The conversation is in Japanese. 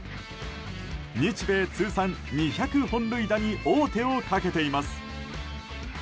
日米通算２００本塁打に王手をかけています。